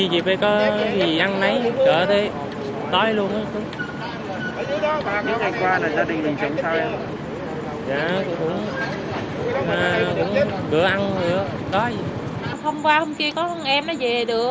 hôm qua hôm kia có con em nó về được